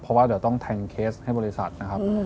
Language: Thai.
เพราะว่าเดี๋ยวต้องแทงเคสให้บริษัทนะครับ